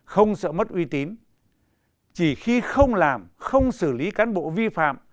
không sợ mất uy tín chỉ khi không làm không xử lý cán bộ vi phạm